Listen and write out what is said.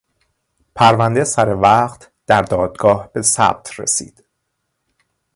پرونده سروقت در دادگاه به ثبت رسید.